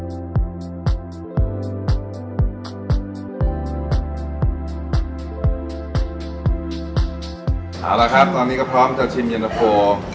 เอาละครับตอนนี้ก็พร้อมจะชิมเย็นตะโฟ